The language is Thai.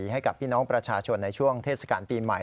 ให้กับพี่น้องประชาชนในช่วงเทศกาลปีใหม่